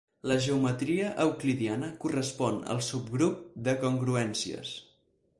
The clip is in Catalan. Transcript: La geometria euclidiana correspon al subgrup de congruències.